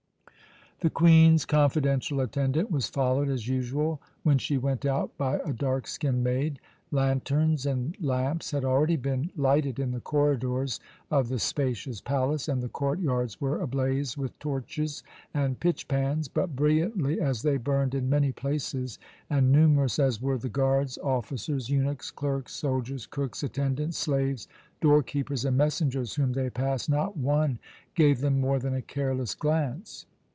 The Queen's confidential attendant was followed as usual when she went out by a dark skinned maid. Lanterns and lamps had already been lighted in the corridors of the spacious palace, and the court yards were ablaze with torches and pitch pans; but, brilliantly as they burned in many places, and numerous as were the guards, officers, eunuchs, clerks, soldiers, cooks, attendants, slaves, door keepers, and messengers whom they passed, not one gave them more than a careless glance.